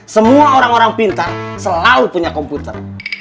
semua orang orang pintar selalu punya komputer